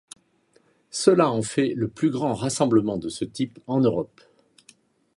Cela en fait le plus grand rassemblement de ce type en Europe.